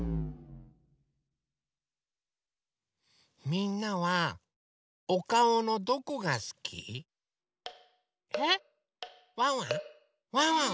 みんなはおかおのどこがすき？えっ？ワンワン？ワンワン